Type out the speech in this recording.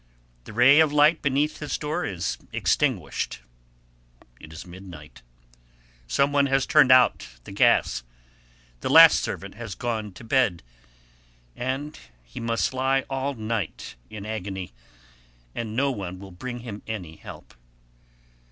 The ray of light beneath his door is extinguished. It is midnight; some one has turned out the gas; the last servant has gone to bed, and he must lie all night in agony with no one to bring him any help.